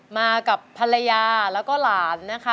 มากับภรรยาแล้วก็หลานนะคะ